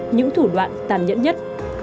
những thủ đoạn tàn nhẫn nhất